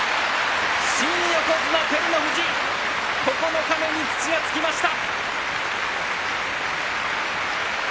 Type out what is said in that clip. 新横綱照ノ富士九日目に土がつきました。